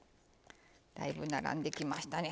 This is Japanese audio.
だいぶ並んできましたね。